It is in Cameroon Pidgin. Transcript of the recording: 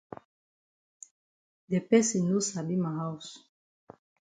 De person no sabi ma haus.